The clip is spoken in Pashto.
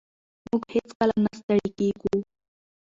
موږ هېڅکله نه ستړي کېږو.